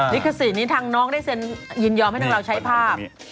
ลิขสิทธิ์นี้ทางน้องได้เซ็นยินยอมให้ทางเราใช้ภาพ